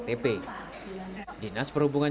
dinas perhubungan jawa timur membutuhkan